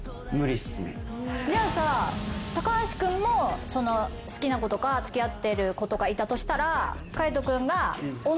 じゃあさ橋君も好きな子とか付き合ってる子とかいたとしたら。